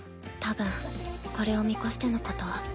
たぶんこれを見越してのこと。